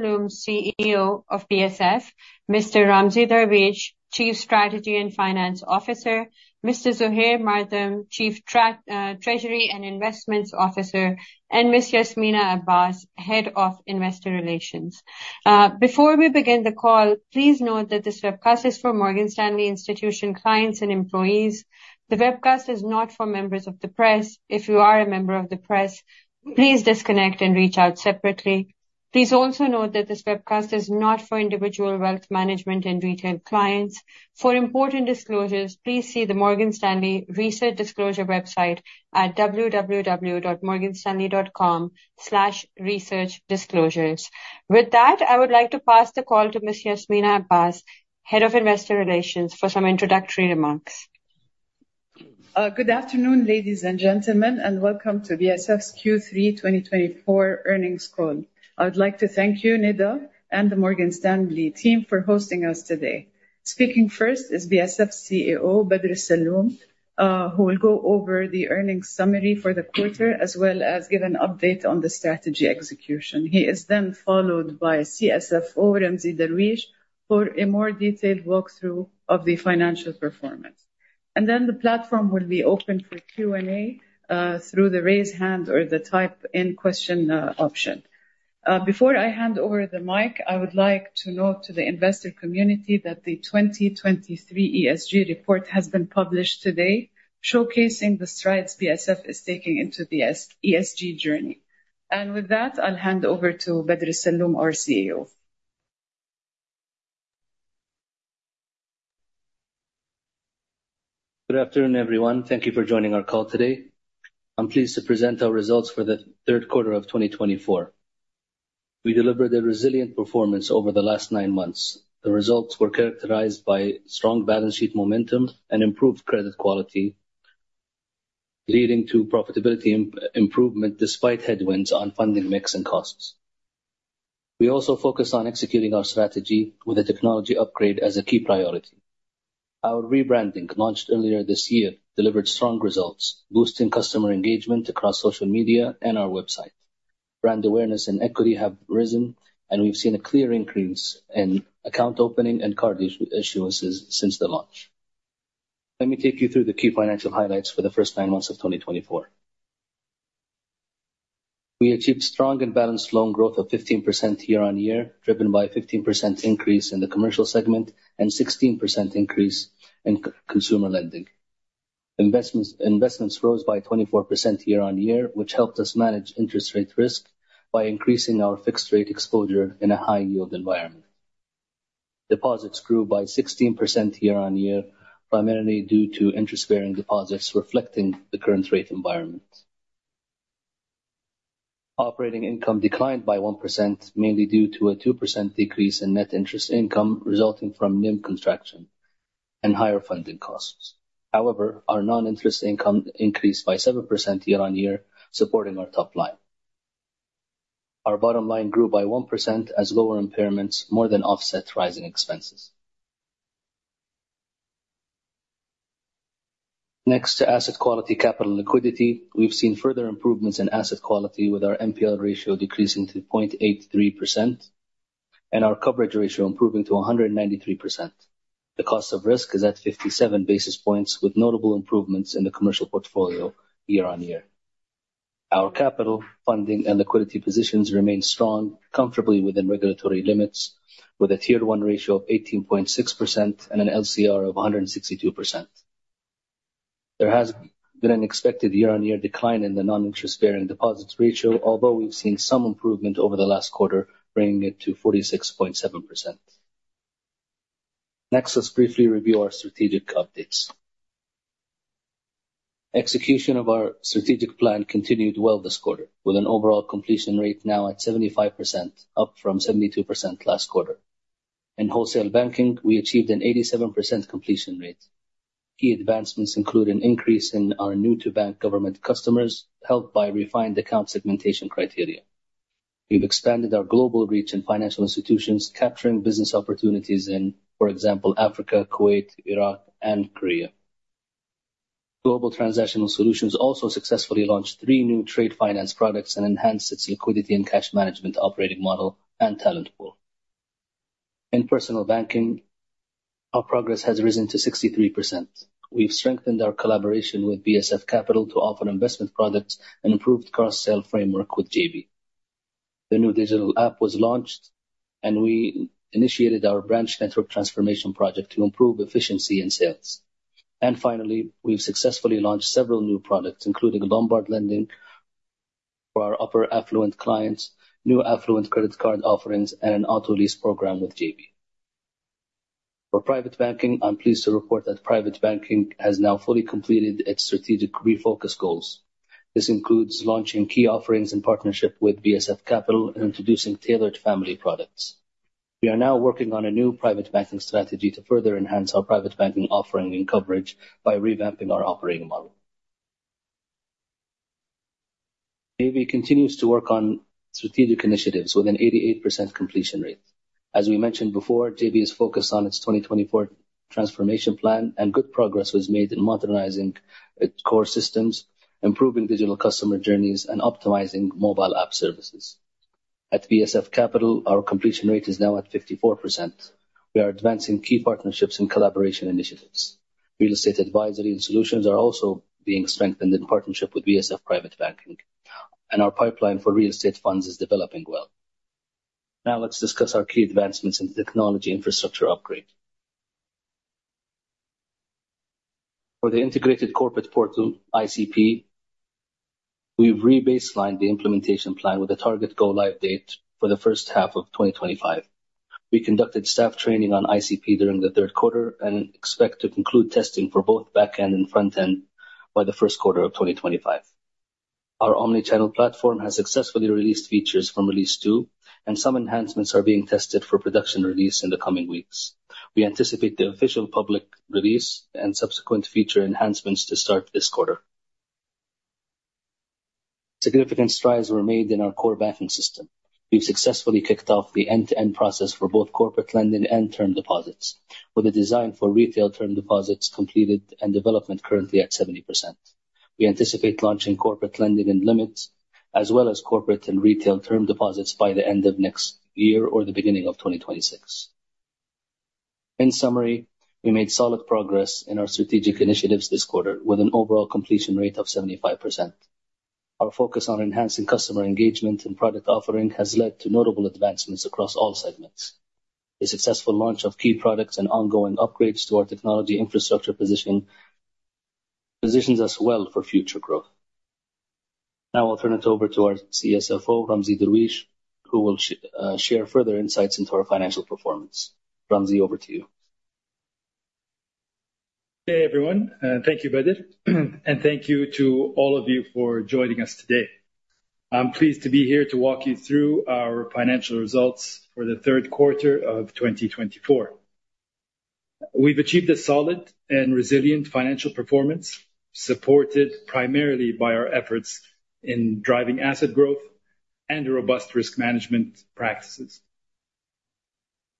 Salloum, CEO of BSF, Mr. Ramzy Darwish, Chief Strategy and Finance Officer, Mr. Zuhair Mardam, Chief Treasury and Investments Officer, and Ms. Yasminah Abbas, Head of Investor Relations. Before we begin the call, please note that this webcast is for Morgan Stanley institution clients and employees. The webcast is not for members of the press. If you are a member of the press, please disconnect and reach out separately. Please also note that this webcast is not for individual wealth management and retail clients. For important disclosures, please see the Morgan Stanley Research Disclosure website at www.morganstanley.com/researchdisclosures. With that, I would like to pass the call to Ms. Yasminah Abbas, Head of Investor Relations, for some introductory remarks. Good afternoon, ladies and gentlemen, welcome to BSF's Q3 2024 earnings call. I would like to thank you, Nida, and the Morgan Stanley team for hosting us today. Speaking first is BSF CEO, Bader Salloom, who will go over the earnings summary for the quarter, as well as give an update on the strategy execution. He is then followed by CSFO, Ramzy Darwish, for a more detailed walkthrough of the financial performance. The platform will be open for Q&A, through the raise hand or the type in question option. Before I hand over the mic, I would like to note to the investor community that the 2023 ESG report has been published today, showcasing the strides BSF is taking into the ESG journey. With that, I'll hand over to Bader Salloom, our CEO. Good afternoon, everyone. Thank you for joining our call today. I'm pleased to present our results for the third quarter of 2024. We delivered a resilient performance over the last nine months. The results were characterized by strong balance sheet momentum and improved credit quality, leading to profitability improvement despite headwinds on funding mix and costs. We also focused on executing our strategy with a technology upgrade as a key priority. Our rebranding, launched earlier this year, delivered strong results, boosting customer engagement across social media and our website. Brand awareness and equity have risen, and we've seen a clear increase in account opening and card issuances since the launch. Let me take you through the key financial highlights for the first nine months of 2024. We achieved strong and balanced loan growth of 15% year-on-year, driven by a 15% increase in the commercial segment and 16% increase in consumer lending. Investments rose by 24% year-on-year, which helped us manage interest rate risk by increasing our fixed rate exposure in a high yield environment. Deposits grew by 16% year-on-year, primarily due to interest bearing deposits reflecting the current rate environment. Operating income declined by 1%, mainly due to a 2% decrease in net interest income resulting from NIM contraction and higher funding costs. However, our non-interest income increased by 7% year-on-year, supporting our top line. Our bottom line grew by 1% as lower impairments more than offset rising expenses. Next to asset quality, capital, and liquidity. We've seen further improvements in asset quality with our NPL ratio decreasing to 0.83%, and our coverage ratio improving to 193%. The cost of risk is at 57 basis points, with notable improvements in the commercial portfolio year-on-year. Our capital funding and liquidity positions remain strong, comfortably within regulatory limits, with a Tier 1 ratio of 18.6% and an LCR of 162%. There has been an expected year-on-year decline in the non-interest bearing deposits ratio, although we've seen some improvement over the last quarter, bringing it to 46.7%. Next, let's briefly review our strategic updates. Execution of our strategic plan continued well this quarter, with an overall completion rate now at 75%, up from 72% last quarter. In wholesale banking, we achieved an 87% completion rate. Key advancements include an increase in our new to bank government customers, helped by refined account segmentation criteria. We've expanded our global reach in financial institutions, capturing business opportunities in, for example, Africa, Kuwait, Iraq and Korea. Global transactional solutions also successfully launched three new trade finance products and enhanced its liquidity and cash management operating model and talent pool. In personal banking, our progress has risen to 63%. We've strengthened our collaboration with BSF Capital to offer investment products and improved cross-sell framework with J-B. The new digital app was launched, and we initiated our branch network transformation project to improve efficiency and sales. Finally, we've successfully launched several new products, including Lombard lending for our upper affluent clients, new affluent credit card offerings, and an auto lease program with J-B. For private banking, I'm pleased to report that private banking has now fully completed its strategic refocus goals. This includes launching key offerings in partnership with BSF Capital and introducing tailored family products. We are now working on a new private banking strategy to further enhance our private banking offering and coverage by revamping our operating model. J-B continues to work on strategic initiatives with an 88% completion rate. As we mentioned before, J-B is focused on its 2024 transformation plan, and good progress was made in modernizing its core systems, improving digital customer journeys, and optimizing mobile app services. At BSF Capital, our completion rate is now at 54%. We are advancing key partnerships and collaboration initiatives. Real estate advisory and solutions are also being strengthened in partnership with BSF Private Banking, and our pipeline for real estate funds is developing well. Now let's discuss our key advancements in technology infrastructure upgrade. For the integrated corporate portal, ICP, we've re-baselined the implementation plan with a target go-live date for the first half of 2025. We conducted staff training on ICP during the third quarter and expect to conclude testing for both back end and front end by the first quarter of 2025. Our omni-channel platform has successfully released features from release two, and some enhancements are being tested for production release in the coming weeks. We anticipate the official public release and subsequent feature enhancements to start this quarter. Significant strides were made in our core banking system. We've successfully kicked off the end-to-end process for both corporate lending and term deposits. With the design for retail term deposits completed and development currently at 70%. We anticipate launching corporate lending and limits, as well as corporate and retail term deposits by the end of next year or the beginning of 2026. In summary, we made solid progress in our strategic initiatives this quarter with an overall completion rate of 75%. Our focus on enhancing customer engagement and product offering has led to notable advancements across all segments. A successful launch of key products and ongoing upgrades to our technology infrastructure positions us well for future growth. I will turn it over to our CSFO, Ramzy Darwish, who will share further insights into our financial performance. Ramzy, over to you. Hey everyone, thank you, Bader. Thank you to all of you for joining us today. I am pleased to be here to walk you through our financial results for the third quarter of 2024. We have achieved a solid and resilient financial performance, supported primarily by our efforts in driving asset growth and robust risk management practices.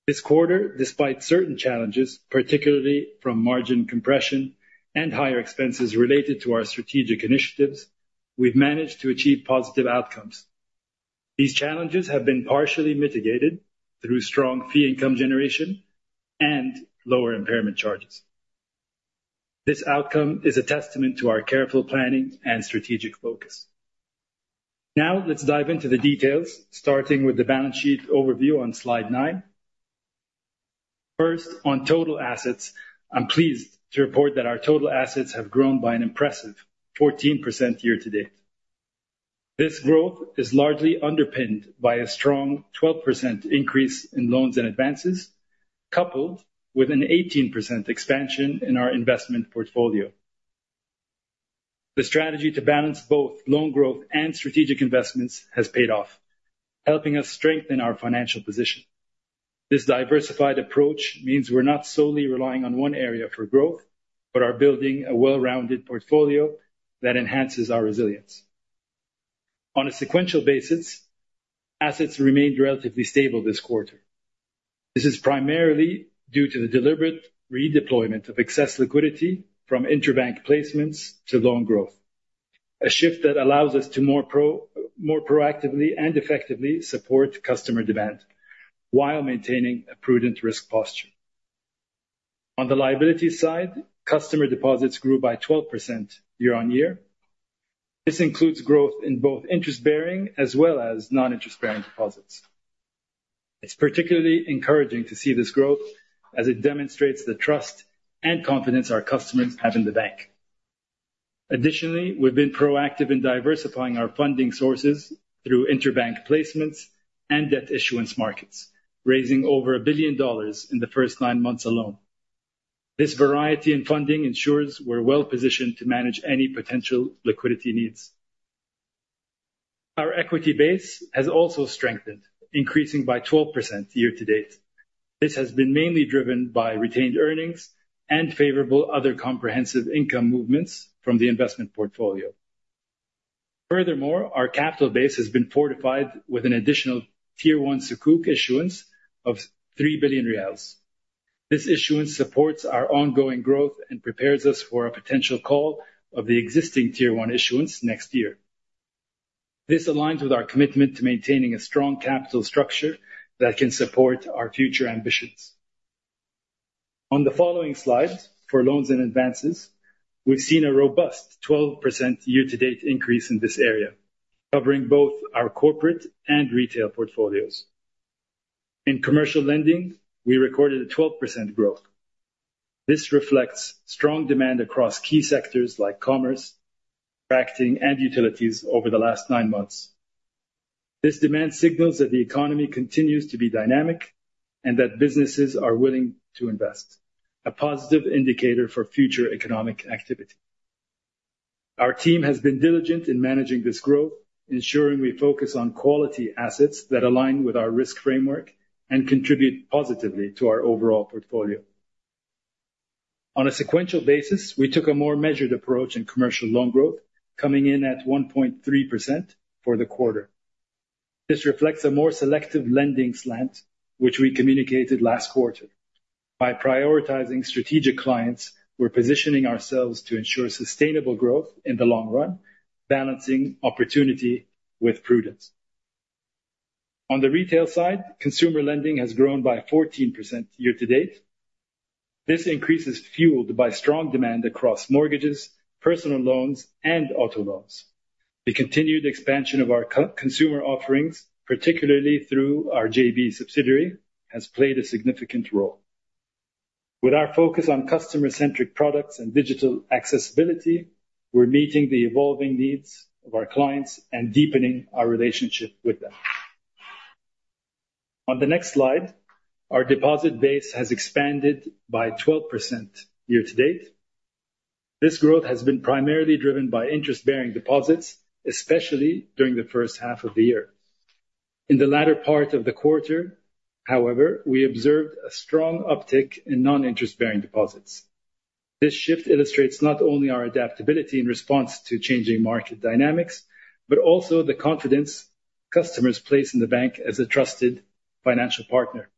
This quarter, despite certain challenges, particularly from margin compression and higher expenses related to our strategic initiatives, we have managed to achieve positive outcomes. These challenges have been partially mitigated through strong fee income generation and lower impairment charges. This outcome is a testament to our careful planning and strategic focus. Let us dive into the details, starting with the balance sheet overview on slide nine. First, on total assets, I am pleased to report that our total assets have grown by an impressive 14% year to date. This growth is largely underpinned by a strong 12% increase in loans and advances, coupled with an 18% expansion in our investment portfolio. The strategy to balance both loan growth and strategic investments has paid off, helping us strengthen our financial position. This diversified approach means we are not solely relying on one area for growth, but are building a well-rounded portfolio that enhances our resilience. On a sequential basis, assets remained relatively stable this quarter. This is primarily due to the deliberate redeployment of excess liquidity from interbank placements to loan growth, a shift that allows us to more proactively and effectively support customer demand while maintaining a prudent risk posture. On the liability side, customer deposits grew by 12% year on year. This includes growth in both interest-bearing as well as non-interest-bearing deposits. It is particularly encouraging to see this growth as it demonstrates the trust and confidence our customers have in the bank. Additionally, we have been proactive in diversifying our funding sources through interbank placements and debt issuance markets, raising over SAR 1 billion in the first nine months alone. This variety in funding ensures we are well positioned to manage any potential liquidity needs. Our equity base has also strengthened, increasing by 12% year to date. This has been mainly driven by retained earnings and favorable other comprehensive income movements from the investment portfolio. Furthermore, our capital base has been fortified with an additional Tier 1 Sukuk issuance of 3 billion riyals. This issuance supports our ongoing growth and prepares us for a potential call of the existing Tier 1 issuance next year. This aligns with our commitment to maintaining a strong capital structure that can support our future ambitions. On the following slides, for loans and advances, we've seen a robust 12% year-to-date increase in this area, covering both our corporate and retail portfolios. In commercial lending, we recorded a 12% growth. This reflects strong demand across key sectors like commerce, factoring, and utilities over the last nine months. This demand signals that the economy continues to be dynamic and that businesses are willing to invest, a positive indicator for future economic activity. Our team has been diligent in managing this growth, ensuring we focus on quality assets that align with our risk framework and contribute positively to our overall portfolio. On a sequential basis, we took a more measured approach in commercial loan growth, coming in at 1.3% for the quarter. This reflects a more selective lending slant, which we communicated last quarter. By prioritizing strategic clients, we're positioning ourselves to ensure sustainable growth in the long run, balancing opportunity with prudence. On the retail side, consumer lending has grown by 14% year-to-date. This increase is fueled by strong demand across mortgages, personal loans, and auto loans. The continued expansion of our consumer offerings, particularly through our JV subsidiary, has played a significant role. With our focus on customer-centric products and digital accessibility, we're meeting the evolving needs of our clients and deepening our relationship with them. On the next slide, our deposit base has expanded by 12% year-to-date. This growth has been primarily driven by interest-bearing deposits, especially during the first half of the year. In the latter part of the quarter, however, we observed a strong uptick in non-interest-bearing deposits. This shift illustrates not only our adaptability in response to changing market dynamics, but also the confidence customers place in the bank as a trusted financial partner.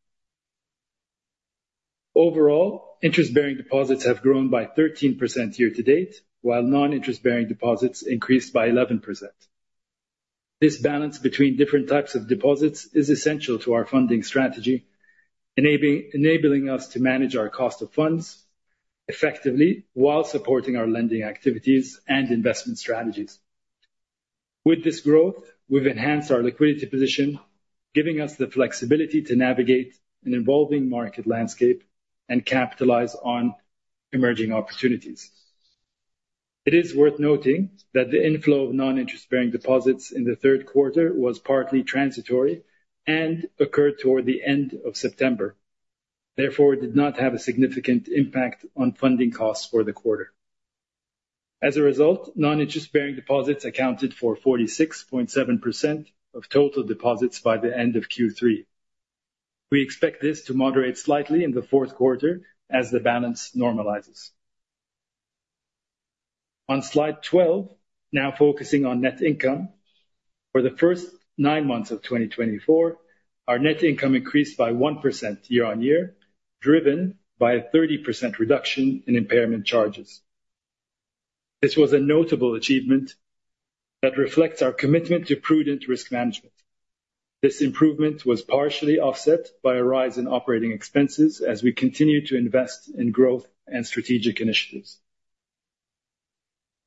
Overall, interest-bearing deposits have grown by 13% year-to-date, while non-interest-bearing deposits increased by 11%. This balance between different types of deposits is essential to our funding strategy, enabling us to manage our cost of funds effectively while supporting our lending activities and investment strategies. With this growth, we've enhanced our liquidity position, giving us the flexibility to navigate an evolving market landscape and capitalize on emerging opportunities. It is worth noting that the inflow of non-interest-bearing deposits in the third quarter was partly transitory and occurred toward the end of September, therefore did not have a significant impact on funding costs for the quarter. As a result, non-interest-bearing deposits accounted for 46.7% of total deposits by the end of Q3. We expect this to moderate slightly in the fourth quarter as the balance normalizes. On slide 12, now focusing on net income. For the first nine months of 2024, our net income increased by 1% year-on-year, driven by a 30% reduction in impairment charges. This was a notable achievement that reflects our commitment to prudent risk management. This improvement was partially offset by a rise in operating expenses as we continue to invest in growth and strategic initiatives.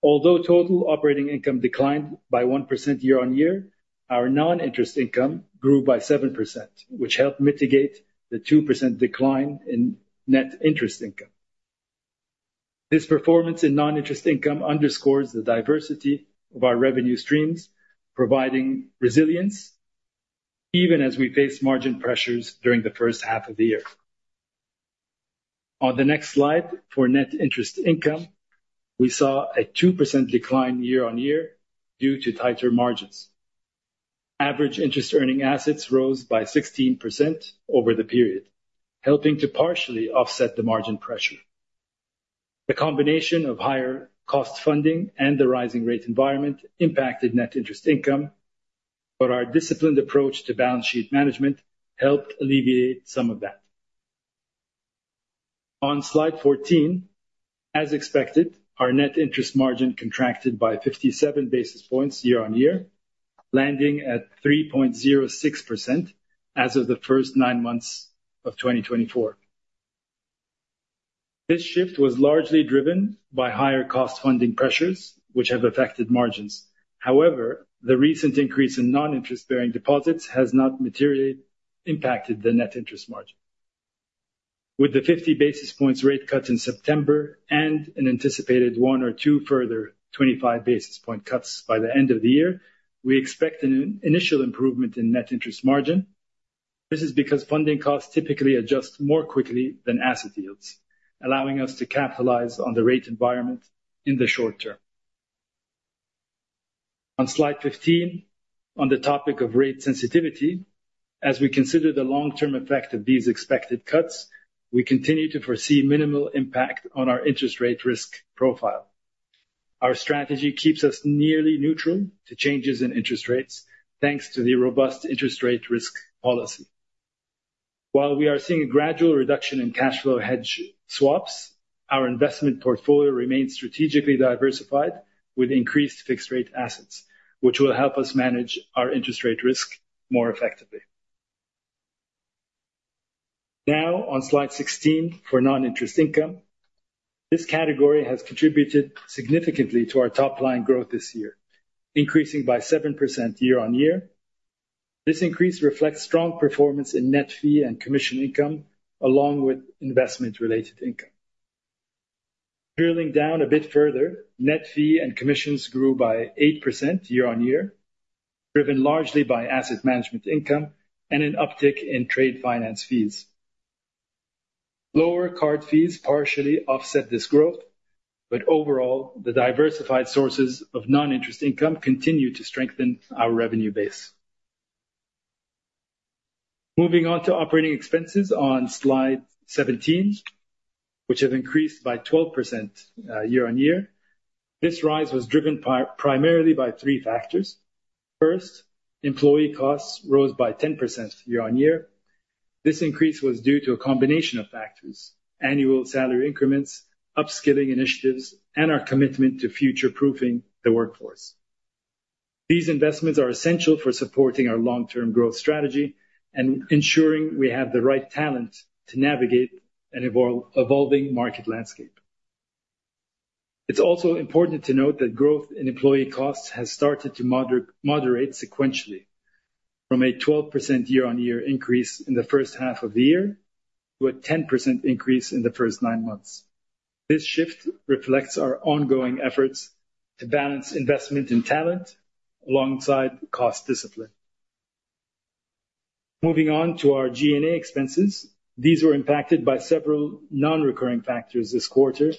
Although total operating income declined by 1% year-on-year, our non-interest income grew by 7%, which helped mitigate the 2% decline in net interest income. This performance in non-interest income underscores the diversity of our revenue streams, providing resilience even as we face margin pressures during the first half of the year. On the next slide, for net interest income, we saw a 2% decline year-on-year due to tighter margins. Average interest earning assets rose by 16% over the period, helping to partially offset the margin pressure. The combination of higher cost funding and the rising rate environment impacted net interest income, but our disciplined approach to balance sheet management helped alleviate some of that. On slide 14, as expected, our net interest margin contracted by 57 basis points year-on-year, landing at 3.06% as of the first nine months of 2024. This shift was largely driven by higher cost funding pressures, which have affected margins. However, the recent increase in non-interest-bearing deposits has not materially impacted the net interest margin. With the 50 basis points rate cut in September and an anticipated one or two further 25 basis point cuts by the end of the year, we expect an initial improvement in net interest margin. This is because funding costs typically adjust more quickly than asset yields, allowing us to capitalize on the rate environment in the short term. On slide 15, on the topic of rate sensitivity, as we consider the long-term effect of these expected cuts, we continue to foresee minimal impact on our interest rate risk profile. Our strategy keeps us nearly neutral to changes in interest rates, thanks to the robust interest rate risk policy. While we are seeing a gradual reduction in cash flow hedge swaps, our investment portfolio remains strategically diversified with increased fixed rate assets, which will help us manage our interest rate risk more effectively. On slide 16 for non-interest income. This category has contributed significantly to our top line growth this year, increasing by 7% year-on-year. This increase reflects strong performance in net fee and commission income, along with investment-related income. Drilling down a bit further, net fee and commissions grew by 8% year-on-year, driven largely by asset management income and an uptick in trade finance fees. Lower card fees partially offset this growth, overall, the diversified sources of non-interest income continue to strengthen our revenue base. Moving on to operating expenses on slide 17, which have increased by 12% year-on-year. This rise was driven primarily by three factors. First, employee costs rose by 10% year-on-year. This increase was due to a combination of factors, annual salary increments, upskilling initiatives, and our commitment to future-proofing the workforce. These investments are essential for supporting our long-term growth strategy and ensuring we have the right talent to navigate an evolving market landscape. It's also important to note that growth in employee costs has started to moderate sequentially from a 12% year-on-year increase in the first half of the year, to a 10% increase in the first nine months. This shift reflects our ongoing efforts to balance investment in talent alongside cost discipline. Moving on to our G&A expenses. These were impacted by several non-recurring factors this quarter.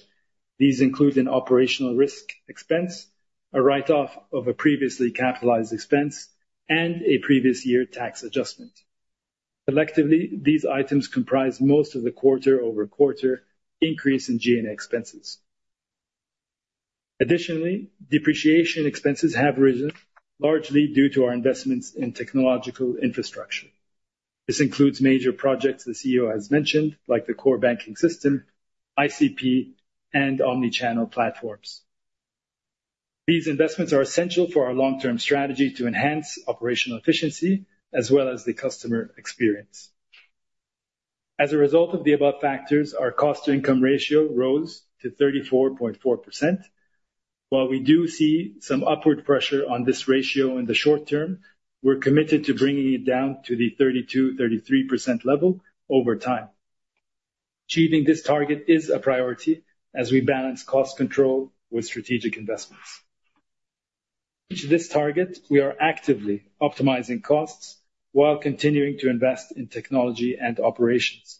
These include an operational risk expense, a write-off of a previously capitalized expense, and a previous year tax adjustment. Collectively, these items comprise most of the quarter-over-quarter increase in G&A expenses. Additionally, depreciation expenses have risen largely due to our investments in technological infrastructure. This includes major projects the CEO has mentioned, like the core banking system, ICP and omni-channel platforms. These investments are essential for our long-term strategy to enhance operational efficiency as well as the customer experience. As a result of the above factors, our cost to income ratio rose to 34.4%. While we do see some upward pressure on this ratio in the short term, we're committed to bringing it down to the 32%-33% level over time. Achieving this target is a priority as we balance cost control with strategic investments. To this target, we are actively optimizing costs while continuing to invest in technology and operations.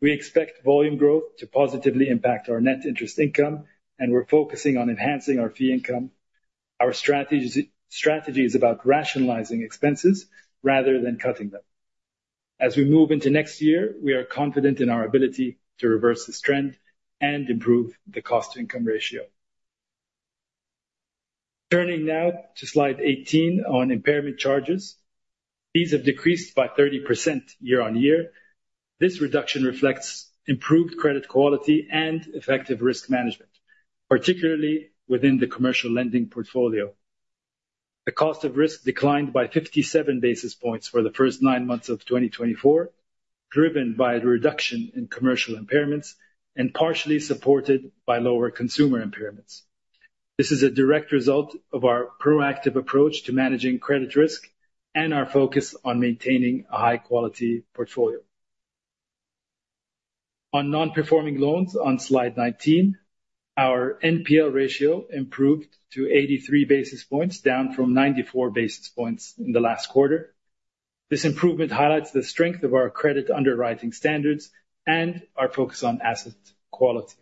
We expect volume growth to positively impact our net interest income, and we're focusing on enhancing our fee income. Our strategy is about rationalizing expenses rather than cutting them. As we move into next year, we are confident in our ability to reverse this trend and improve the cost to income ratio. Turning now to slide 18 on impairment charges. These have decreased by 30% year-over-year. This reduction reflects improved credit quality and effective risk management, particularly within the commercial lending portfolio. The cost of risk declined by 57 basis points for the first nine months of 2024, driven by the reduction in commercial impairments and partially supported by lower consumer impairments. This is a direct result of our proactive approach to managing credit risk and our focus on maintaining a high quality portfolio. On non-performing loans on slide 19, our NPL ratio improved to 83 basis points, down from 94 basis points in the last quarter. This improvement highlights the strength of our credit underwriting standards and our focus on asset quality.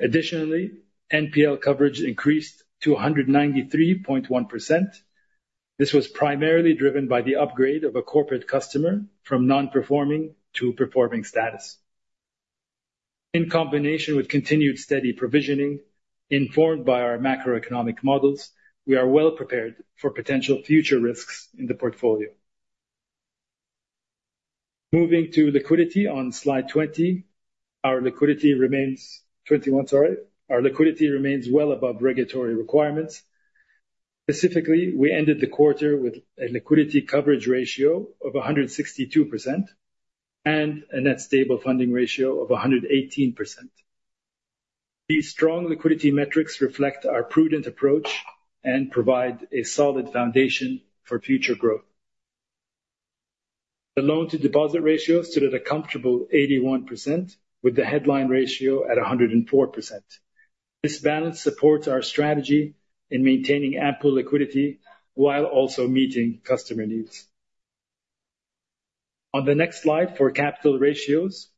Additionally, NPL coverage increased to 193.1%. This was primarily driven by the upgrade of a corporate customer from non-performing to performing status. In combination with continued steady provisioning, informed by our macroeconomic models, we are well prepared for potential future risks in the portfolio. Moving to liquidity on slide 21. Our liquidity remains well above regulatory requirements. Specifically, we ended the quarter with a liquidity coverage ratio of 162% and a net stable funding ratio of 118%. These strong liquidity metrics reflect our prudent approach and provide a solid foundation for future growth. The loan to deposit ratio stood at a comfortable 81%, with the headline ratio at 104%. This balance supports our strategy in maintaining ample liquidity while also meeting customer needs. On the next slide for capital ratios,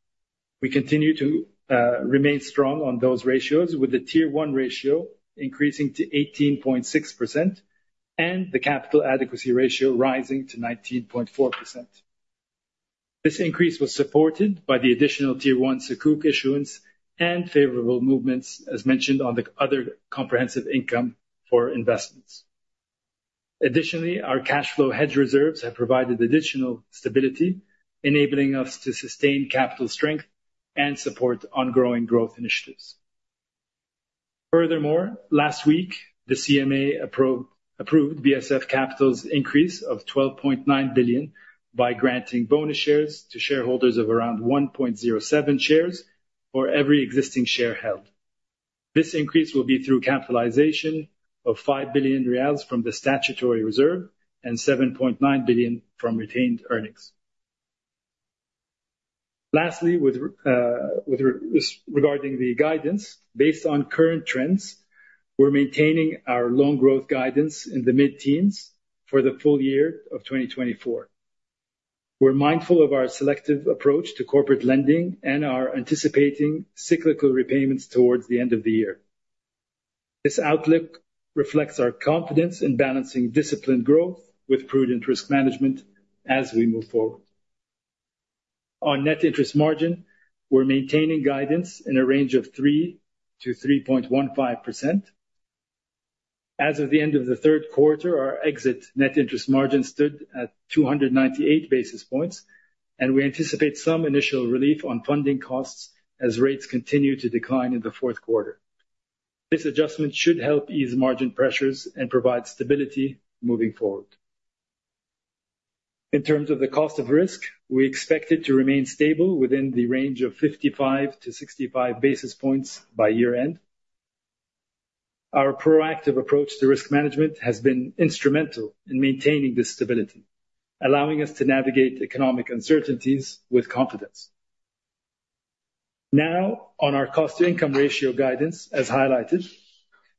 we continue to remain strong on those ratios, with the Tier 1 ratio increasing to 18.6% and the capital adequacy ratio rising to 19.4%. This increase was supported by the additional Tier 1 Sukuk issuance and favorable movements, as mentioned on the other comprehensive income for investments. Additionally, our cash flow hedge reserves have provided additional stability, enabling us to sustain capital strength and support ongoing growth initiatives. Furthermore, last week, the CMA approved BSF Capital's increase of 12.9 billion by granting bonus shares to shareholders of around 1.07 shares for every existing share held. This increase will be through capitalization of 5 billion riyals from the statutory reserve and 7.9 billion from retained earnings. Lastly, regarding the guidance, based on current trends, we're maintaining our loan growth guidance in the mid-teens for the full year of 2024. We're mindful of our selective approach to corporate lending and are anticipating cyclical repayments towards the end of the year. This outlook reflects our confidence in balancing disciplined growth with prudent risk management as we move forward. Net interest margin, we're maintaining guidance in a range of 3%-3.15%. As of the end of the third quarter, our exit net interest margin stood at 298 basis points. We anticipate some initial relief on funding costs as rates continue to decline in the fourth quarter. This adjustment should help ease margin pressures and provide stability moving forward. In terms of the cost of risk, we expect it to remain stable within the range of 55-65 basis points by year-end. Our proactive approach to risk management has been instrumental in maintaining this stability, allowing us to navigate economic uncertainties with confidence. On our cost-to-income ratio guidance, as highlighted,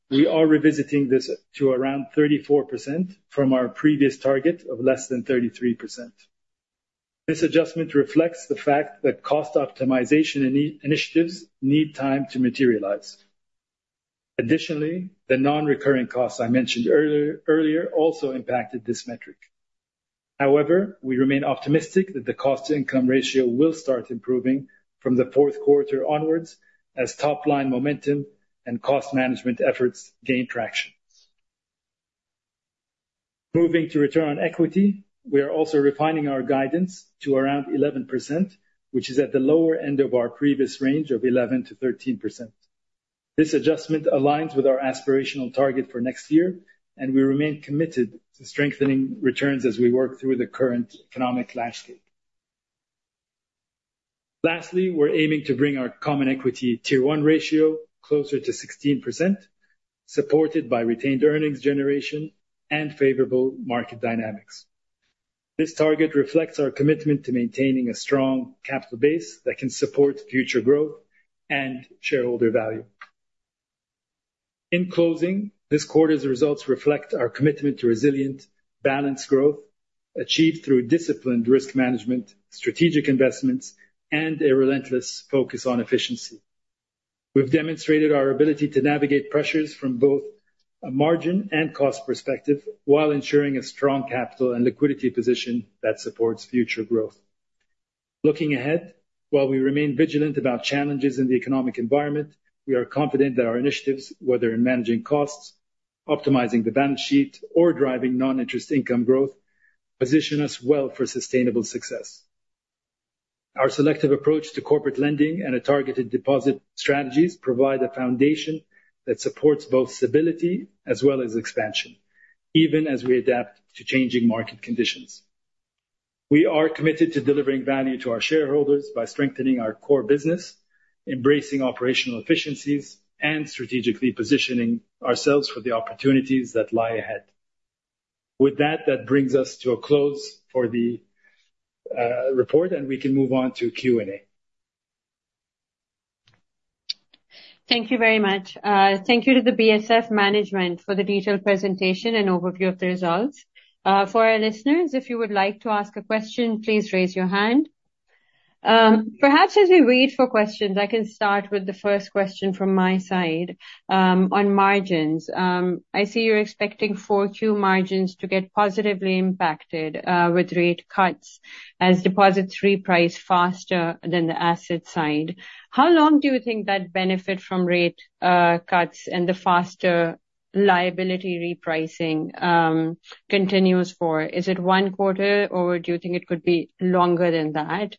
we are revisiting this to around 34% from our previous target of less than 33%. This adjustment reflects the fact that cost optimization initiatives need time to materialize. Additionally, the non-recurring costs I mentioned earlier also impacted this metric. We remain optimistic that the cost-to-income ratio will start improving from the fourth quarter onwards as top-line momentum and cost management efforts gain traction. Moving to return on equity, we are also refining our guidance to around 11%, which is at the lower end of our previous range of 11%-13%. This adjustment aligns with our aspirational target for next year. We remain committed to strengthening returns as we work through the current economic landscape. We're aiming to bring our common equity Tier 1 ratio closer to 16%, supported by retained earnings generation and favorable market dynamics. This target reflects our commitment to maintaining a strong capital base that can support future growth and shareholder value. This quarter's results reflect our commitment to resilient, balanced growth achieved through disciplined risk management, strategic investments, and a relentless focus on efficiency. We've demonstrated our ability to navigate pressures from both a margin and cost perspective while ensuring a strong capital and liquidity position that supports future growth. While we remain vigilant about challenges in the economic environment, we are confident that our initiatives, whether in managing costs, optimizing the balance sheet, or driving non-interest income growth, position us well for sustainable success. Our selective approach to corporate lending and targeted deposit strategies provide a foundation that supports both stability as well as expansion, even as we adapt to changing market conditions. We are committed to delivering value to our shareholders by strengthening our core business, embracing operational efficiencies, and strategically positioning ourselves for the opportunities that lie ahead. That brings us to a close for the report. We can move on to Q&A. Thank you very much. Thank you to the BSF management for the detailed presentation and overview of the results. For our listeners, if you would like to ask a question, please raise your hand. Perhaps as we wait for questions, I can start with the first question from my side. On margins, I see you are expecting 4Q margins to get positively impacted with rate cuts as deposits reprice faster than the asset side. How long do you think that benefit from rate cuts and the faster liability repricing continues for? Is it one quarter, or do you think it could be longer than that?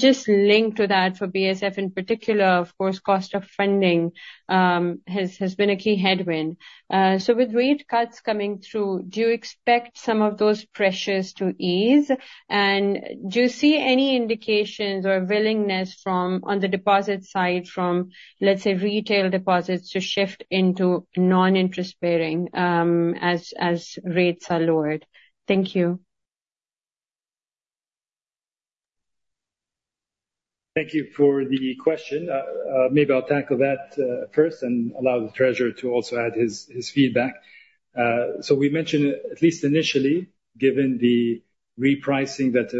Just linked to that, for BSF in particular, of course, cost of funding has been a key headwind. With rate cuts coming through, do you expect some of those pressures to ease? Do you see any indications or willingness on the deposit side from, let's say, retail deposits to shift into non-interest bearing as rates are lowered? Thank you. Thank you for the question. Maybe I will tackle that first and allow the treasurer to also add his feedback. We mentioned, at least initially, given the repricing that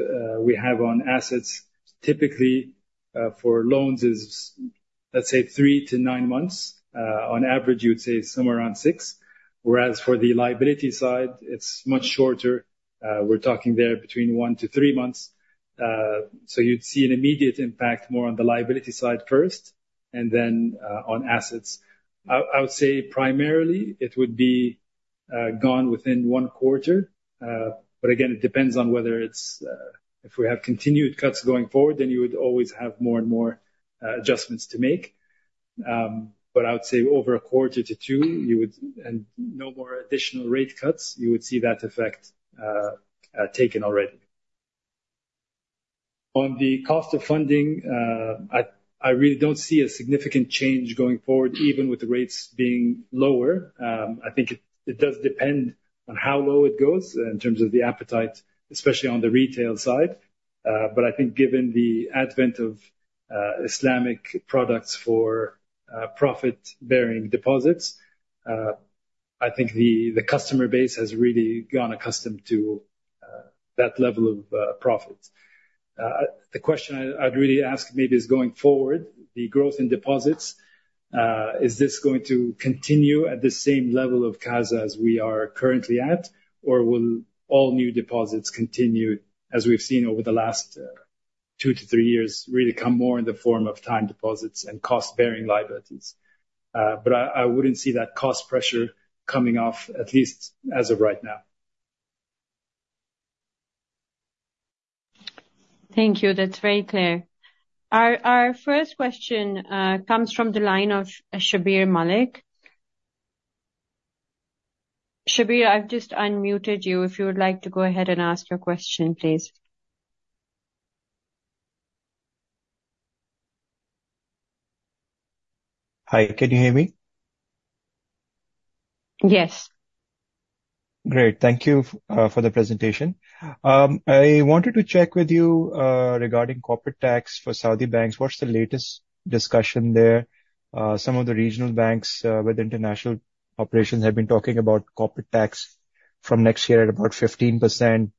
we have on assets, typically for loans is, let's say, three to nine months. On average, you would say somewhere around six. Whereas for the liability side, it is much shorter. We are talking there between one to three months. You would see an immediate impact more on the liability side first, and then on assets. I would say primarily it would be gone within one quarter. Again, it depends on whether if we have continued cuts going forward, then you would always have more and more adjustments to make. I would say over a quarter to two, and no more additional rate cuts, you would see that effect taken already. On the cost of funding, I really do not see a significant change going forward, even with the rates being lower. I think it does depend on how low it goes in terms of the appetite, especially on the retail side. I think given the advent of Islamic products for profit-bearing deposits, I think the customer base has really gone accustomed to that level of profit. The question I would really ask maybe is going forward, the growth in deposits, is this going to continue at the same level of CASA as we are currently at, or will all new deposits continue as we have seen over the last two to three years, really come more in the form of time deposits and cost-bearing liabilities? I would not see that cost pressure coming off, at least as of right now. Thank you. That's very clear. Our first question comes from the line of Shabbir Malik. Shabbir, I've just unmuted you if you would like to go ahead and ask your question, please. Hi, can you hear me? Yes. Great. Thank you for the presentation. I wanted to check with you, regarding corporate tax for Saudi banks. What's the latest discussion there? Some of the regional banks with international operations have been talking about corporate tax from next year at about 15%.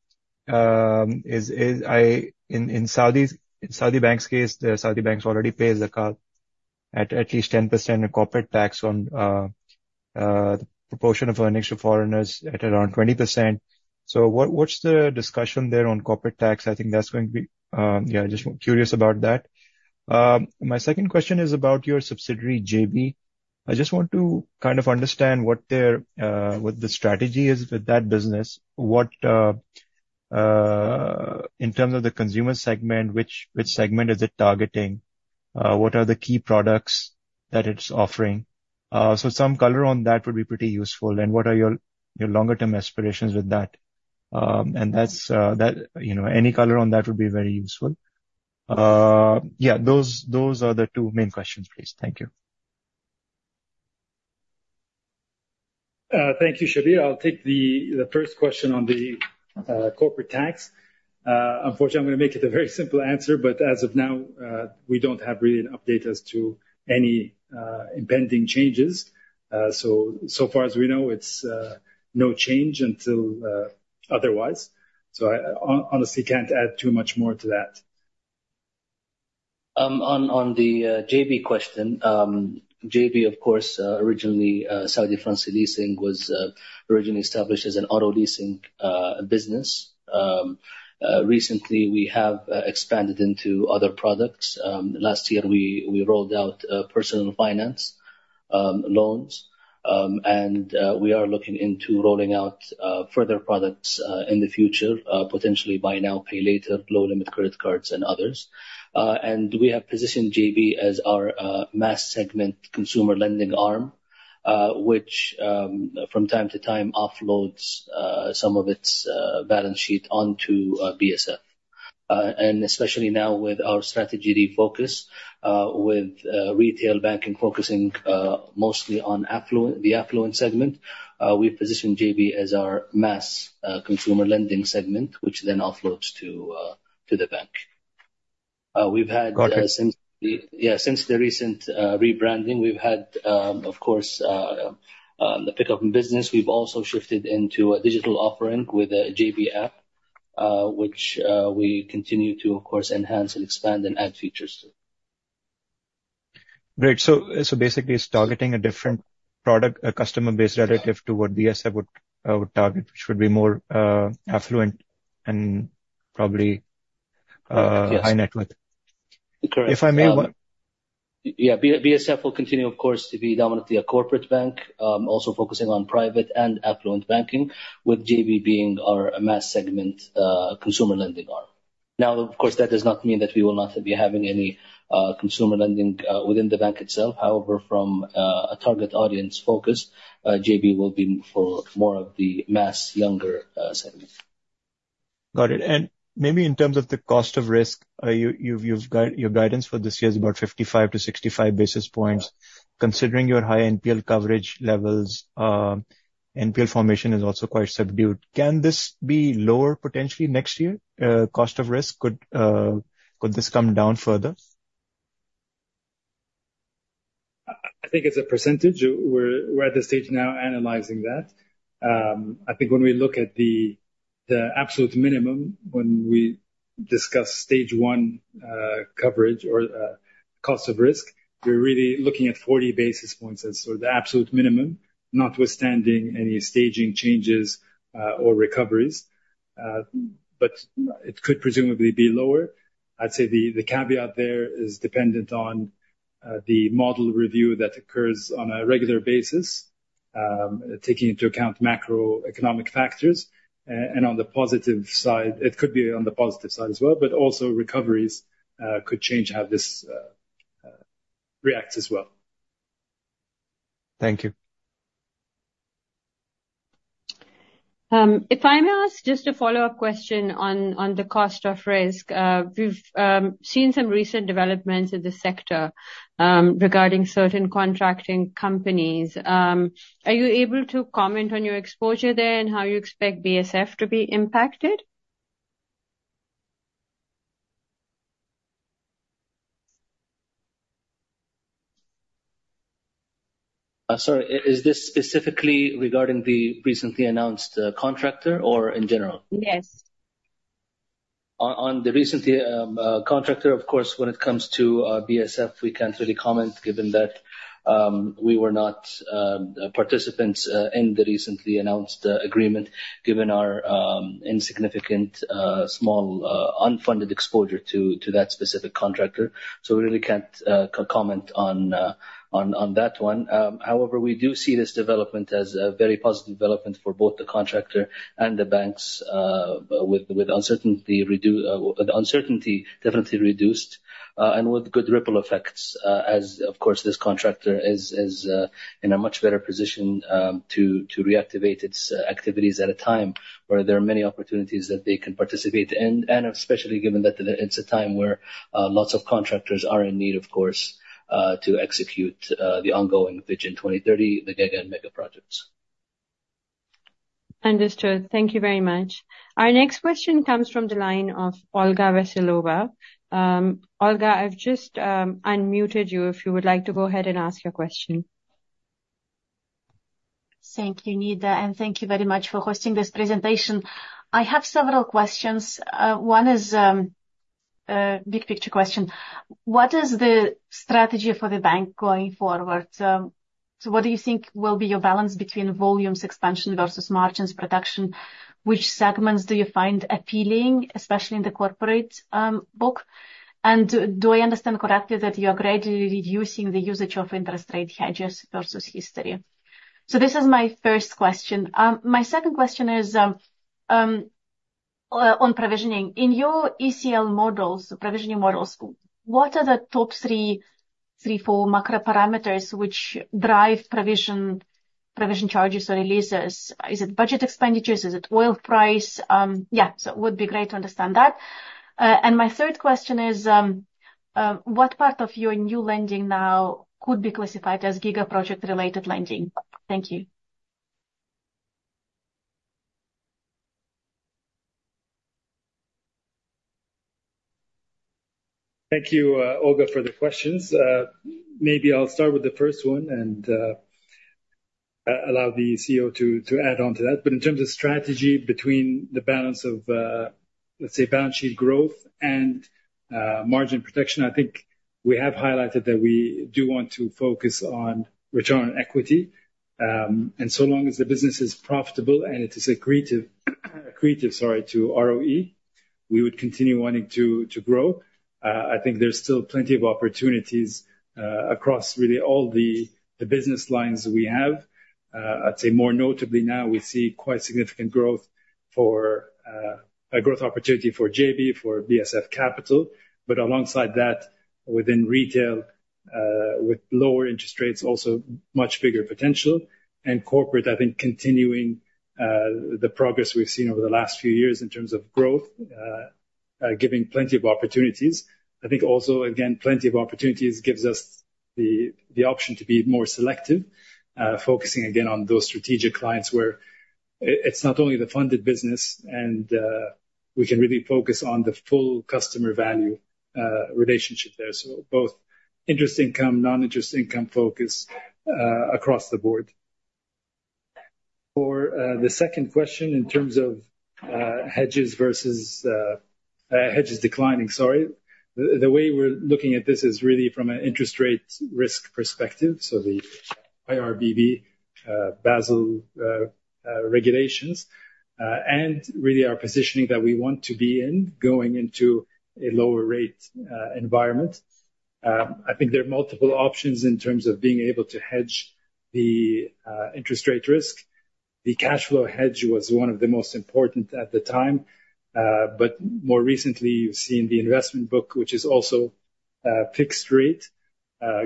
In Saudi Banks case, Saudi Banks already pays Zakat at least 10% of corporate tax on, the proportion of earnings to foreigners at around 20%. What's the discussion there on corporate tax? I think that's going to be just curious about that. My second question is about your subsidiary, J-B. I just want to kind of understand what the strategy is with that business. In terms of the consumer segment, which segment is it targeting? What are the key products that it's offering? Some color on that would be pretty useful. What are your longer-term aspirations with that? Any color on that would be very useful. Those are the two main questions, please. Thank you. Thank you, Shabbir. I'll take the first question on the corporate tax. Unfortunately, I'm going to make it a very simple answer, but as of now, we don't have really an update as to any impending changes. So far as we know, it's no change until otherwise. I honestly can't add too much more to that. On the J-B question, J-B, of course, originally Saudi Fransi Leasing was originally established as an auto leasing business. Recently, we have expanded into other products. Last year, we rolled out personal finance loans, we are looking into rolling out further products in the future, potentially buy now, pay later, low-limit credit cards and others. We have positioned J-B as our mass segment consumer lending arm, which from time to time offloads some of its balance sheet onto BSF. Especially now with our strategy refocus, with retail banking focusing mostly on the affluent segment, we position J-B as our mass consumer lending segment, which then offloads to the bank. Got it. Since the recent rebranding, we've had, of course, the pickup in business. We've also shifted into a digital offering with a J-B app, which we continue to, of course, enhance and expand and add features to. Great. Basically it's targeting a different product, a customer base relative to what BSF would target, which would be more affluent and. Yes high net worth. Correct. If I may. Yeah. BSF will continue, of course, to be dominantly a corporate bank, also focusing on private and affluent banking, with J-B being our mass segment consumer lending arm. Of course, that does not mean that we will not be having any consumer lending within the bank itself. However, from a target audience focus, J-B will be for more of the mass younger segment. Got it. Maybe in terms of the cost of risk, your guidance for this year is about 55 to 65 basis points. Considering your high NPL coverage levels, NPL formation is also quite subdued. Can this be lower potentially next year? Cost of risk, could this come down further? I think as a percentage, we're at the stage now analyzing that. I think when we look at the absolute minimum, when we discuss stage 1 coverage or cost of risk, we're really looking at 40 basis points as sort of the absolute minimum, notwithstanding any staging changes or recoveries. It could presumably be lower. I'd say the caveat there is dependent on the model review that occurs on a regular basis, taking into account macroeconomic factors. On the positive side, it could be on the positive side as well, but also recoveries could change how this reacts as well. Thank you. If I may ask just a follow-up question on the cost of risk. We've seen some recent developments in the sector, regarding certain contracting companies. Are you able to comment on your exposure there and how you expect BSF to be impacted? Sorry, is this specifically regarding the recently announced contractor or in general? Yes. On the recent contractor, of course, when it comes to BSF, we can't really comment given that we were not participants in the recently announced agreement, given our insignificant, small, unfunded exposure to that specific contractor. We really can't comment on that one. We do see this development as a very positive development for both the contractor and the banks, with the uncertainty definitely reduced, and with good ripple effects, as, of course, this contractor is in a much better position to reactivate its activities at a time where there are many opportunities that they can participate, and especially given that it's a time where lots of contractors are in need, of course, to execute the ongoing Vision 2030, the giga and mega projects. Understood. Thank you very much. Our next question comes from the line of Olga Vassileva. Olga, I've just unmuted you if you would like to go ahead and ask your question. Thank you, Nida, and thank you very much for hosting this presentation. I have several questions. One is a big picture question. What is the strategy for the bank going forward? What do you think will be your balance between volumes expansion versus margins production? Which segments do you find appealing, especially in the corporate book? Do I understand correctly that you are gradually reducing the usage of interest rate hedges versus history? This is my first question. My second question is on provisioning. In your ECL models, provisioning models, what are the top three, four macro parameters which drive provision charges or releases? Is it budget expenditures? Is it oil price? Yeah. It would be great to understand that. My third question is, what part of your new lending now could be classified as giga project related lending? Thank you. Thank you, Olga, for the questions. Maybe I'll start with the first one and allow the CEO to add on to that. In terms of strategy between the balance of, let's say, balance sheet growth and margin protection, I think we have highlighted that we do want to focus on return on equity. So long as the business is profitable and it is accretive to ROE, we would continue wanting to grow. I think there's still plenty of opportunities across really all the business lines that we have. I'd say more notably now, we see quite significant growth opportunity for J-B, for BSF Capital. Alongside that, within retail, with lower interest rates, also much bigger potential. Corporate, I think continuing the progress we've seen over the last few years in terms of growth, giving plenty of opportunities. I think also, again, plenty of opportunities gives us the option to be more selective, focusing again on those strategic clients where it's not only the funded business, and we can really focus on the full customer value relationship there. Both interest income, non-interest income focus across the board. For the second question, in terms of hedges declining. The way we're looking at this is really from an interest rate risk perspective. The IRBB Basel regulations, and really our positioning that we want to be in going into a lower rate environment. I think there are multiple options in terms of being able to hedge the interest rate risk. The cash flow hedge was one of the most important at the time, but more recently, you've seen the investment book, which is also fixed rate,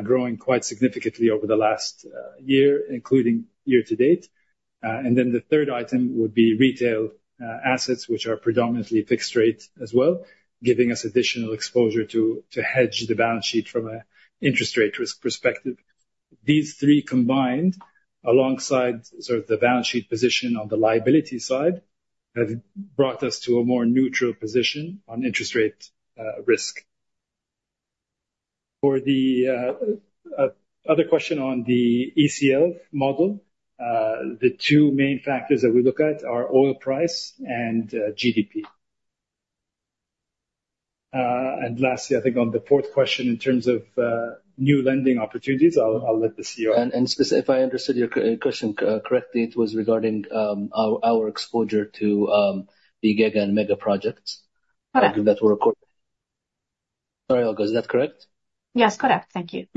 growing quite significantly over the last year, including year to date. The third item would be retail assets, which are predominantly fixed rate as well, giving us additional exposure to hedge the balance sheet from an interest rate risk perspective. These three combined, alongside sort of the balance sheet position on the liability side, have brought us to a more neutral position on interest rate risk. For the other question on the ECL model, the two main factors that we look at are oil price and GDP. Lastly, I think on the fourth question, in terms of new lending opportunities, I'll let the CEO If I understood your question correctly, it was regarding our exposure to the giga and mega projects. Correct. Sorry, Olga, is that correct? Yes, correct. Thank you.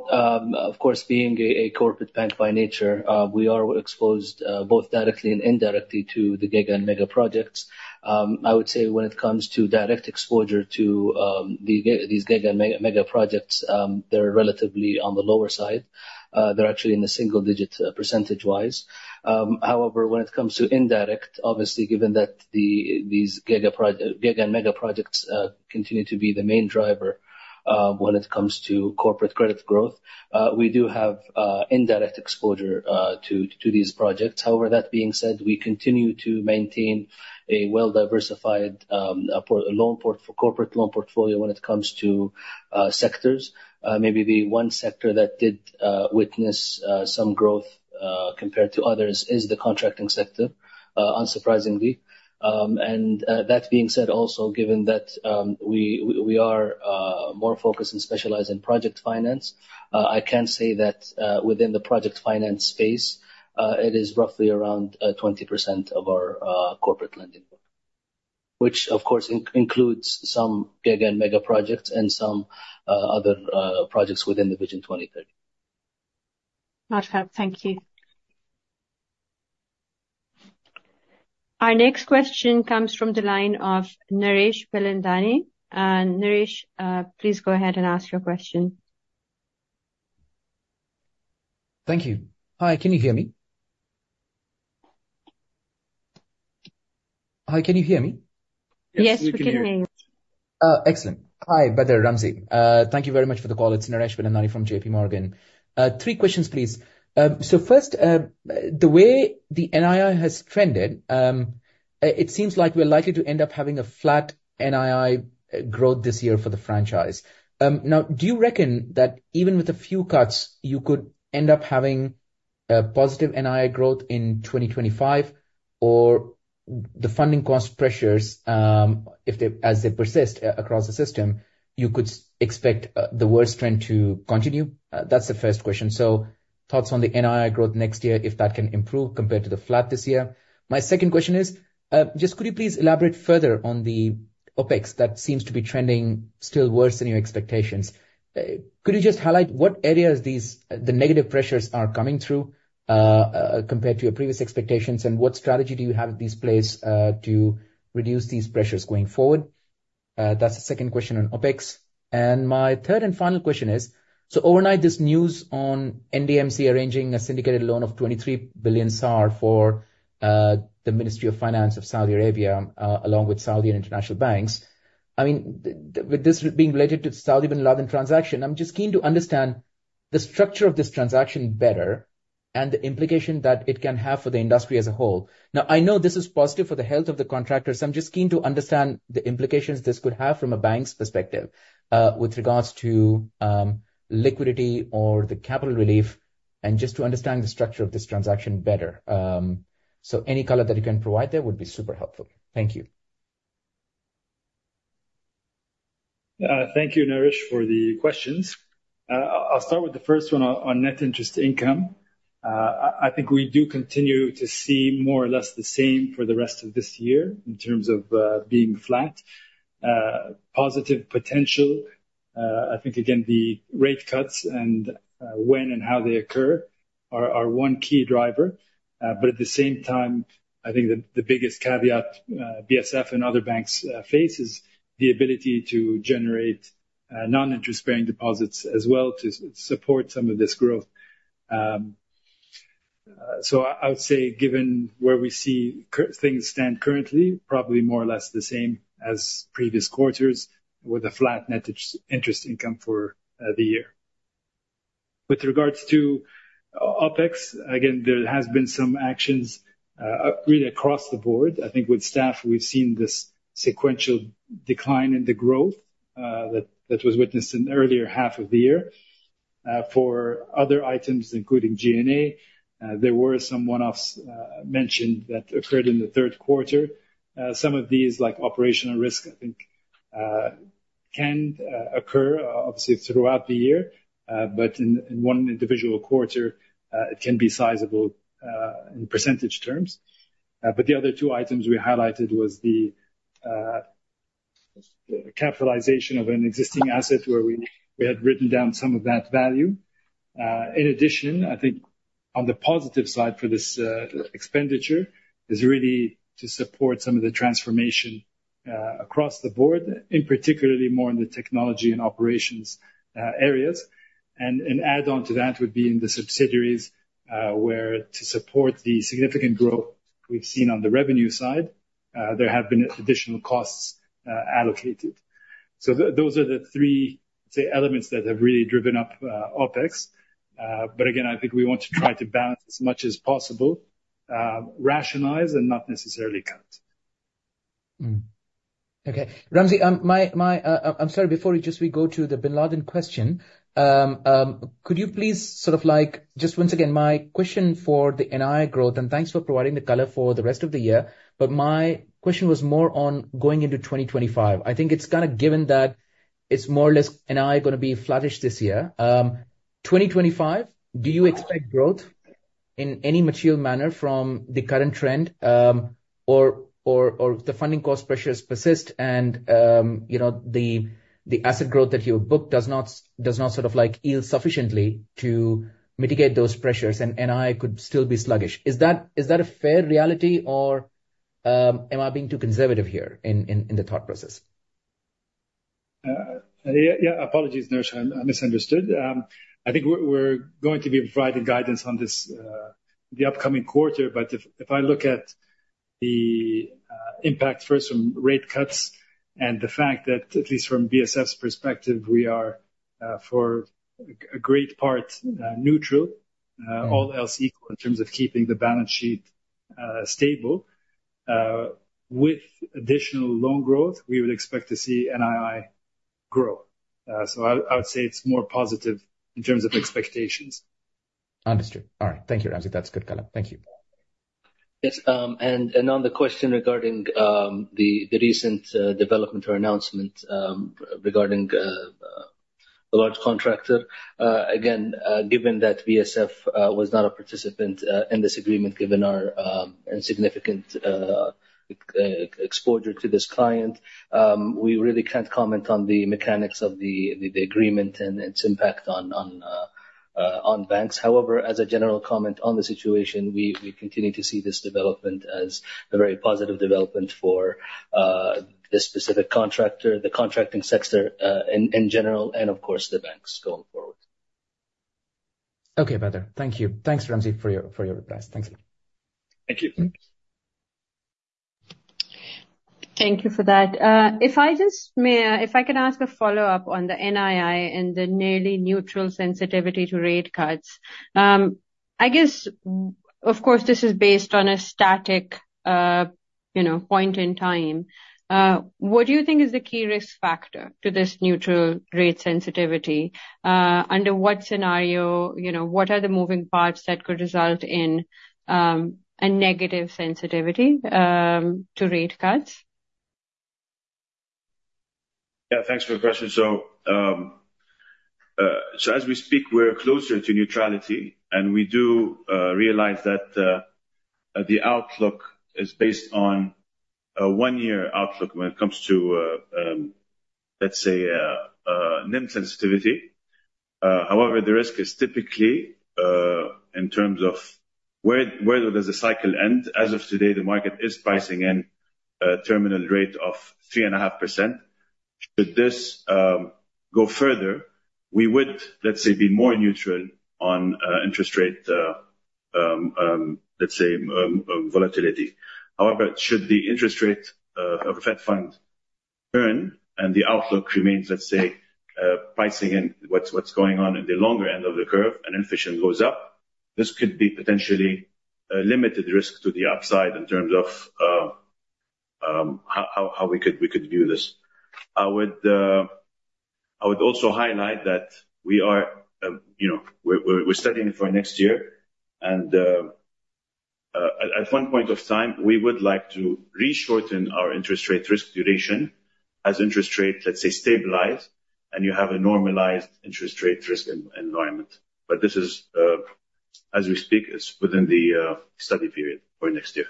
Of course, being a corporate bank by nature, we are exposed both directly and indirectly to the giga and mega projects. I would say when it comes to direct exposure to these giga and mega projects, they're relatively on the lower side. They're actually in the single digits, percentage-wise. When it comes to indirect, obviously, given that these giga and mega projects continue to be the main driver when it comes to corporate credit growth, we do have indirect exposure to these projects. That being said, we continue to maintain a well-diversified corporate loan portfolio when it comes to sectors. Maybe the one sector that did witness some growth, compared to others, is the contracting sector Unsurprisingly. That being said, also given that we are more focused and specialized in project finance, I can say that within the project finance space, it is roughly around 20% of our corporate lending work. Which, of course, includes some giga and mega projects and some other projects within the Vision 2030. Marhaba. Thank you. Our next question comes from the line of Naresh Mulchandani. Naresh, please go ahead and ask your question. Thank you. Hi, can you hear me? Yes, we can hear you. Excellent. Hi, Bader, Ramzy. Thank you very much for the call. It's Naresh Mulchandani from J.P. Morgan. Three questions, please. First, the way the NII has trended, it seems like we're likely to end up having a flat NII growth this year for the franchise. Do you reckon that even with a few cuts, you could end up having a positive NII growth in 2025? The funding cost pressures, as they persist across the system, you could expect the worst trend to continue? That's the first question. Thoughts on the NII growth next year, if that can improve compared to the flat this year. My second question is, just could you please elaborate further on the OpEx that seems to be trending still worse than your expectations. Could you just highlight what areas the negative pressures are coming through, compared to your previous expectations, and what strategy do you have in place, to reduce these pressures going forward? That's the second question on OpEx. Overnight this news on NDMC arranging a syndicated loan of 23 billion SAR for the Ministry of Finance of Saudi Arabia, along with Saudi International Banks. With this being related to the Saudi Binladin transaction, I'm just keen to understand the structure of this transaction better and the implication that it can have for the industry as a whole. Now, I know this is positive for the health of the contractors. I'm just keen to understand the implications this could have from a bank's perspective, with regards to liquidity or the capital relief, and just to understand the structure of this transaction better. Any color that you can provide there would be super helpful. Thank you. Thank you, Naresh, for the questions. I'll start with the first one on net interest income. I think we do continue to see more or less the same for the rest of this year in terms of being flat. Positive potential, I think, again, the rate cuts and when and how they occur are one key driver. But at the same time, I think the biggest caveat BSF and other banks face is the ability to generate non-interest-bearing deposits as well to support some of this growth. I would say given where we see things stand currently, probably more or less the same as previous quarters with a flat net interest income for the year. With regards to OpEx, again, there has been some actions really across the board. I think with staff, we've seen this sequential decline in the growth that was witnessed in the earlier half of the year. For other items, including G&A, there were some one-offs mentioned that occurred in the third quarter. Some of these, like operational risk, I think, can occur obviously throughout the year. But in one individual quarter, it can be sizable in percentage terms. But the other two items we highlighted was the capitalization of an existing asset where we had written down some of that value. In addition, I think on the positive side for this expenditure, is really to support some of the transformation across the board, in particularly more in the technology and operations areas. An add-on to that would be in the subsidiaries, where to support the significant growth we've seen on the revenue side, there have been additional costs allocated. Those are the three, say, elements that have really driven up OpEx. Again, I think we want to try to balance as much as possible, rationalize and not necessarily cut. Okay. Ramzy, I'm sorry, before we just go to the Binladin question, could you please sort of Just once again, my question for the NII growth, thanks for providing the color for the rest of the year, my question was more on going into 2025. I think it's kind of given that it's more or less NII going to be flattish this year. 2025, do you expect growth in any material manner from the current trend? The funding cost pressures persist and the asset growth that you book does not sort of yield sufficiently to mitigate those pressures, and NII could still be sluggish. Is that a fair reality or am I being too conservative here in the thought process? Yeah. Apologies, Naresh, I misunderstood. I think we're going to be providing guidance on the upcoming quarter. If I look at the impact first from rate cuts and the fact that, at least from BSF's perspective, we are for a great part neutral, all else equal in terms of keeping the balance sheet stable. With additional loan growth, we would expect to see NII grow. I would say it's more positive in terms of expectations. Understood. All right. Thank you, Ramzy. That's good color. Thank you. Yes, on the question regarding the recent development or announcement regarding a large contractor. Again, given that BSF was not a participant in this agreement, given our insignificant exposure to this client, we really can't comment on the mechanics of the agreement and its impact on banks. However, as a general comment on the situation, we continue to see this development as a very positive development for this specific contractor, the contracting sector in general, and of course, the banks going forward. Okay, Bader. Thank you. Thanks, Ramzy, for your replies. Thanks. Thank you. Thank you for that. If I just may, if I could ask a follow-up on the NII and the nearly neutral sensitivity to rate cuts. I guess, of course, this is based on a static point in time. What do you think is the key risk factor to this neutral rate sensitivity? Under what scenario, what are the moving parts that could result in a negative sensitivity to rate cuts? Thanks for your question. As we speak, we're closer to neutrality, and we do realize that the outlook is based on a one-year outlook when it comes to, let's say, NIM sensitivity. However, the risk is typically, in terms of where does the cycle end? As of today, the market is pricing in a terminal rate of 3.5%. Should this go further, we would, let's say, be more neutral on interest rate, let's say, volatility. However, should the interest rate of Fed Funds earn and the outlook remains, let's say, pricing in what's going on in the longer end of the curve and inflation goes up, this could be potentially a limited risk to the upside in terms of how we could view this. I would also highlight that we're studying for next year, and at one point in time, we would like to re-shorten our interest rate risk duration as interest rate, let's say, stabilize, and you have a normalized interest rate risk environment. This is, as we speak, it's within the study period for next year.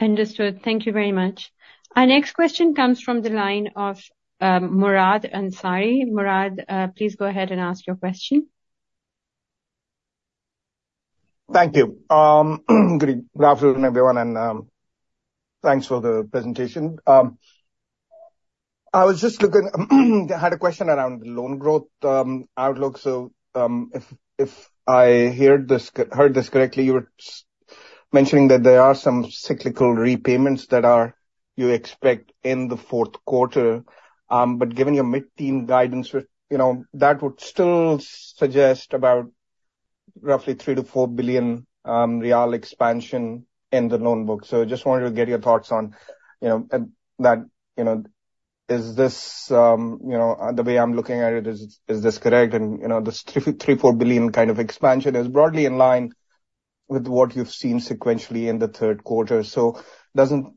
Understood. Thank you very much. Our next question comes from the line of Murad Ansari. Murad, please go ahead and ask your question. Thank you. Good afternoon, everyone, and thanks for the presentation. I was just looking I had a question around loan growth outlook. If I heard this correctly, you were mentioning that there are some cyclical repayments that you expect in the fourth quarter, but given your mid-teen guidance, that would still suggest about roughly SAR 3 billion-SAR 4 billion expansion in the loan book. I just wanted to get your thoughts on that. The way I'm looking at it, is this correct? This 3 billion-4 billion kind of expansion is broadly in line with what you've seen sequentially in the third quarter. Doesn't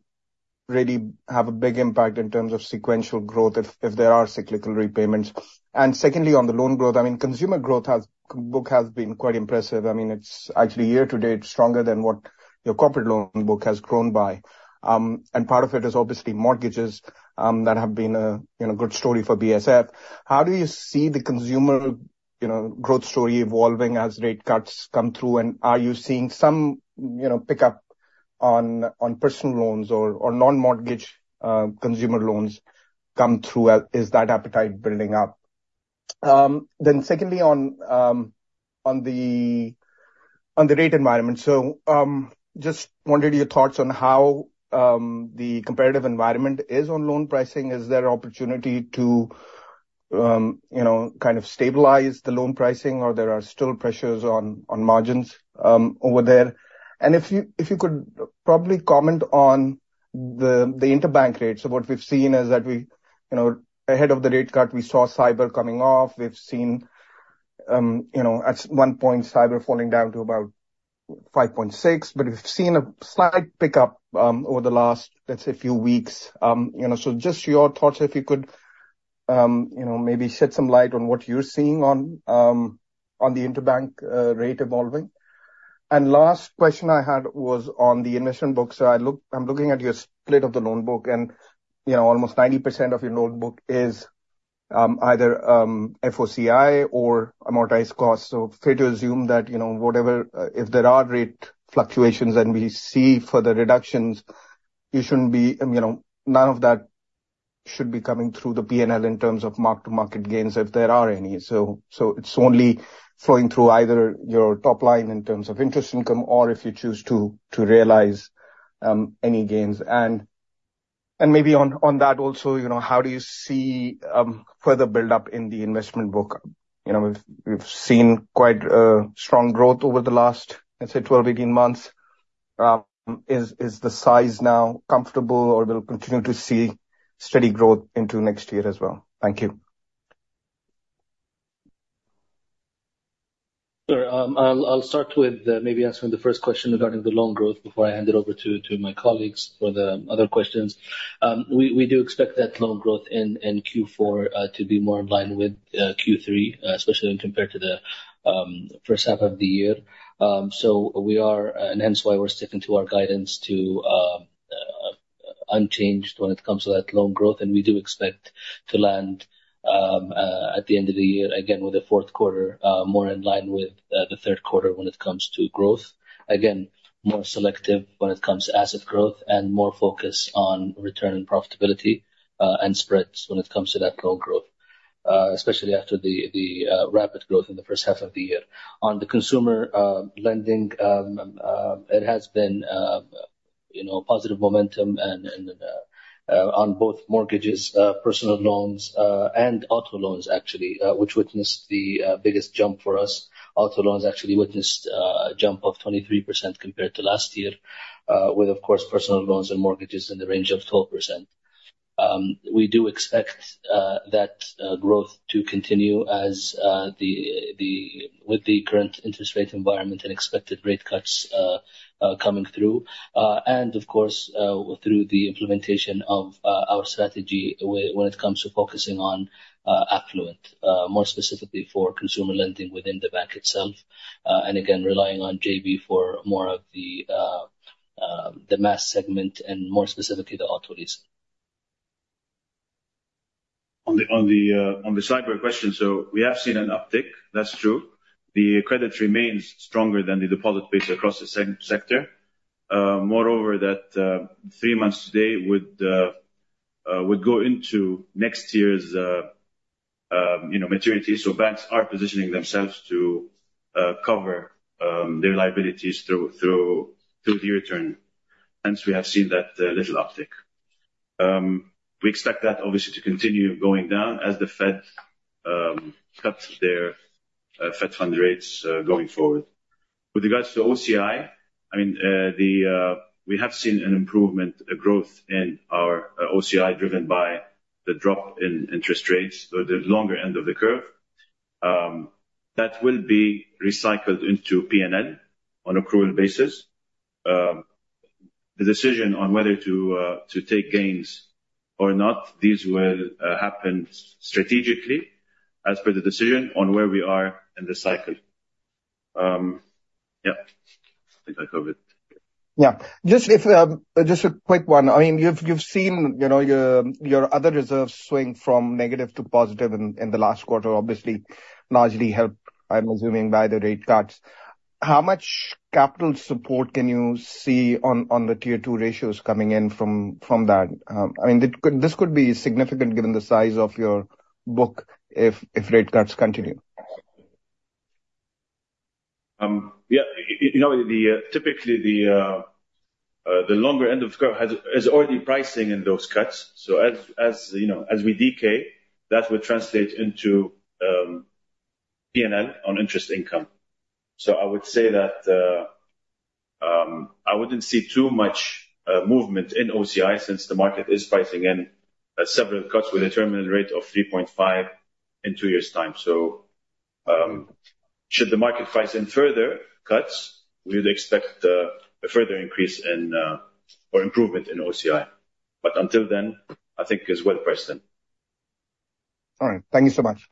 really have a big impact in terms of sequential growth if there are cyclical repayments. Secondly, on the loan growth, consumer growth book has been quite impressive. It's actually year to date stronger than what your corporate loan book has grown by. Part of it is obviously mortgages that have been a good story for BSF. How do you see the consumer growth story evolving as rate cuts come through? Are you seeing some pickup on personal loans or non-mortgage consumer loans come through? Is that appetite building up? Secondly, on the rate environment. Just wondered your thoughts on how the competitive environment is on loan pricing. Is there opportunity to kind of stabilize the loan pricing, or there are still pressures on margins over there? If you could probably comment on the interbank rate. What we've seen is that ahead of the rate cut, we saw SAIBOR coming off. We've seen, at one point, SAIBOR falling down to about 5.6, but we've seen a slight pickup over the last, let's say, few weeks. Just your thoughts, if you could maybe shed some light on what you're seeing on the interbank rate evolving. Last question I had was on the investment book. I'm looking at your split of the loan book, and almost 90% of your loan book is either FVOCI or amortized cost. Fair to assume that if there are rate fluctuations and we see further reductions, none of that should be coming through the P&L in terms of mark-to-market gains, if there are any. It's only flowing through either your top line in terms of interest income or if you choose to realize any gains. Maybe on that also, how do you see further build-up in the investment book? We've seen quite strong growth over the last, let's say, 12-18 months. Is the size now comfortable, or we'll continue to see steady growth into next year as well? Thank you. Sure. I'll start with maybe answering the first question regarding the loan growth before I hand it over to my colleagues for the other questions. We do expect that loan growth in Q4 to be more in line with Q3, especially when compared to the first half of the year. Hence why we're sticking to our guidance to unchanged when it comes to that loan growth. We do expect to land at the end of the year, again, with the fourth quarter more in line with the third quarter when it comes to growth. Again, more selective when it comes to asset growth and more focused on return on profitability and spreads when it comes to that loan growth, especially after the rapid growth in the first half of the year. On the consumer lending, it has been positive momentum on both mortgages, personal loans, and auto loans actually, which witnessed the biggest jump for us. Auto loans actually witnessed a jump of 23% compared to last year, with, of course, personal loans and mortgages in the range of 12%. We do expect that growth to continue with the current interest rate environment and expected rate cuts coming through. Of course, through the implementation of our strategy when it comes to focusing on affluent, more specifically for consumer lending within the bank itself. Again, relying on J-B for more of the mass segment and more specifically, the auto lease. On the SAIBOR question. We have seen an uptick, that's true. The credit remains stronger than the deposit base across the sector. Moreover, that three months today would go into next year's maturity. Banks are positioning themselves to cover their liabilities through the year turn, hence we have seen that little uptick. We expect that obviously to continue going down as the Fed cuts their Fed Funds rates going forward. With regards to OCI, we have seen an improvement, a growth in our OCI driven by the drop in interest rates or the longer end of the curve. That will be recycled into P&L on accrual basis. The decision on whether to take gains or not, these will happen strategically as per the decision on where we are in the cycle. Yeah, I think I covered. Yeah. Just a quick one. You've seen your other reserves swing from negative to positive in the last quarter, obviously largely helped, I'm assuming, by the rate cuts. How much capital support can you see on the Tier 2 ratios coming in from that? This could be significant given the size of your book if rate cuts continue. Yeah. Typically, the longer end of the curve is already pricing in those cuts. As we decay, that will translate into P&L on interest income. I would say that I wouldn't see too much movement in OCI since the market is pricing in several cuts with a terminal rate of 3.5 in 2 years' time. Should the market price in further cuts, we'd expect a further increase in or improvement in OCI. Until then, I think it's well priced in. All right. Thank you so much.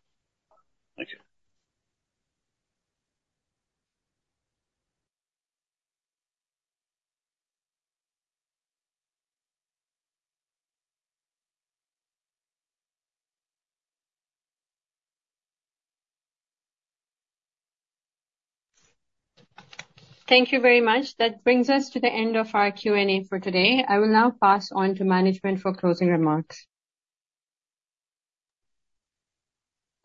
Thank you. Thank you very much. That brings us to the end of our Q&A for today. I will now pass on to management for closing remarks.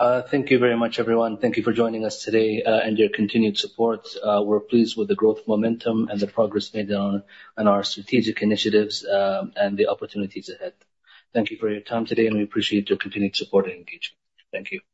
Thank you very much, everyone. Thank you for joining us today, and your continued support. We're pleased with the growth momentum and the progress made on our strategic initiatives, and the opportunities ahead. Thank you for your time today, and we appreciate your continued support and engagement. Thank you.